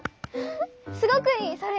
すごくいいそれ。